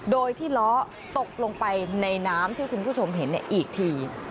โดยที่ล้อตกลงไปในน้ำที่คุณผู้ชมเห็นอีกที